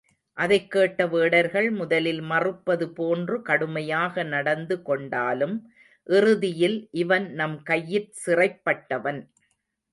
அதைக் கேட்ட வேடர்கள் முதலில் மறுப்பதுபோன்று கடுமையாக நடந்து கொண்டாலும் இறுதியில் இவன் நம் கையிற் சிறைப் பட்டவன்.